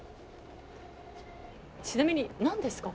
ちなみに何ですか？